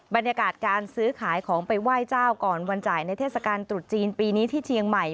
บรรยากาศการซื้อขายของไปไหว้เจ้าก่อนวันจ่ายในเทศกาลตรุษจีนปีนี้ที่เชียงใหม่